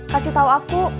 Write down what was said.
kasih tau aku